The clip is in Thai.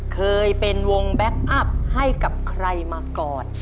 เคยเป็นวงแบ็คอัพให้กับใครมาก่อน